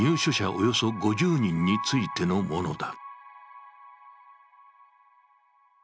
およそ５０人についてのものだ。